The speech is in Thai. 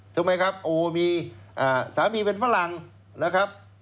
ถูกไหมครับโอ้มีสามีเป็นฝรั่งนะครับ